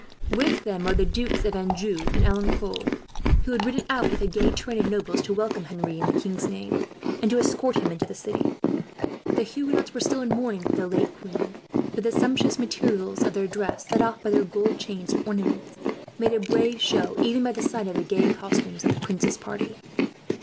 With them rode the Dukes of Anjou and Alencon, who had ridden out with a gay train of nobles to welcome Henri in the king's name, and escort him into the city. The Huguenots were still in mourning for the late queen; but the sumptuous materials of their dress, set off by their gold chains and ornaments, made a brave show even by the side of the gay costumes of the prince's party.